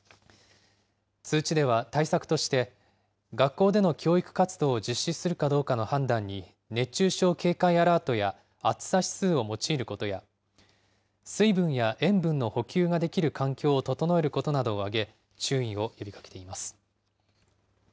通知では対策として、学校での教育活動を実施するかどうかの判断に、熱中症警戒アラートや暑さ指数を用いることや、水分や塩分の補給ができる環境を整えることなどを挙げ、注意を呼びかけています。